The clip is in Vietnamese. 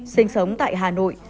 sinh sống tại hà nội